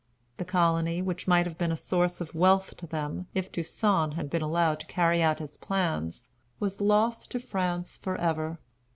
The colony, which might have been a source of wealth to them, if Toussaint had been allowed to carry out his plans, was lost to France forever.